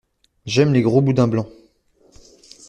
J'aime les gros boudins blancs.